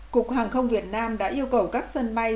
cục hàng không việt nam đã yêu cầu các sân bay